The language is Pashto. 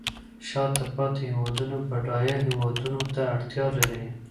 شاته پاتې هیوادونه بډایه هیوادونو ته اړتیا لري